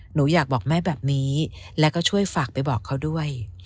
หนูอยากบอกแม่แบบนี้แล้วก็ช่วยฝากไปบอกเขาด้วย